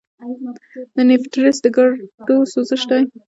د نیفریټس د ګردو سوزش دی.